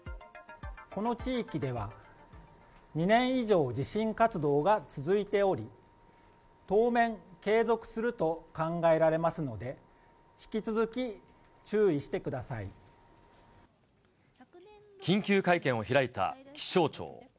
この地域では２年以上、地震活動が続いており、当面、継続すると考えられますので、緊急会見を開いた気象庁。